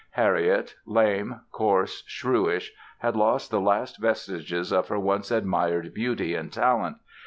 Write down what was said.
Harriet, lame, coarse, shrewish had lost the last vestiges of her once admired beauty and talent.